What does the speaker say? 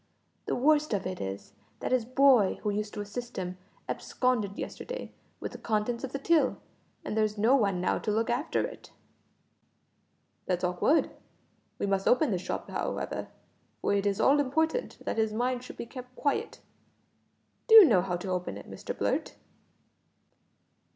The worst of it is that his boy, who used to assist him, absconded yesterday with the contents of the till, and there is no one now to look after it." "That's awkward. We must open the shop how ever, for it is all important that his mind should be kept quiet. Do you know how to open it, Mr Blurt?"